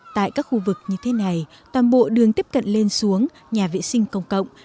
tại các khu vực như thế này toàn bộ đường tiếp cận lên xuống nhà vệ sinh công cộng